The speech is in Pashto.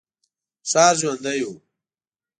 ښار ژوندی و.